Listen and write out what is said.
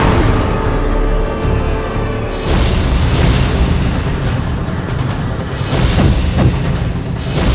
iya ini dia berarti